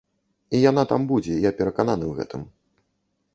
І яна там будзе, я перакананы ў гэтым.